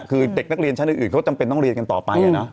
คือเด็กนักเรียนชั้นอื่นเขาจำเป็นต้องเรียนกันต่อไป